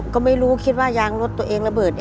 ก็ไม่รู้คิดว่ายางรถตัวเองระเบิด